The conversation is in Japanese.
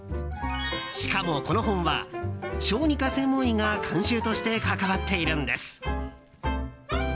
しかも、この本は小児科専門医が監修として関わっているんです。